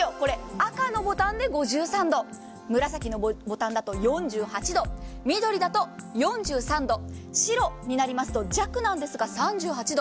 赤のボタンで５３度紫のボタンだと４８度緑だと４３度白になりますと弱ですが３８度。